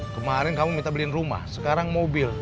kemarin kamu minta beliin rumah sekarang mobil